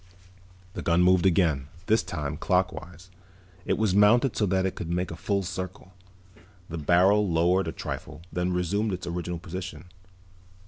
The gun moved again, this time clockwise. It was mounted so that it could make a full circle. The barrel lowered a trifle, then resumed its original position.